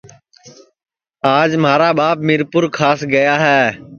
آج مھارا ٻاپ میرپُورکاس گیا ہے